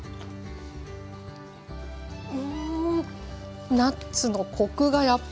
うんナッツのコクがやっぱり。